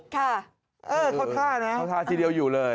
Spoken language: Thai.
ค่ะเออเขาท่านะเขาท่าทีเดียวอยู่เลย